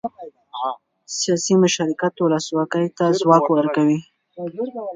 سیاسي مشارکت ولسواکۍ ته ځواک ورکوي